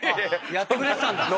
やってくれてたんだ。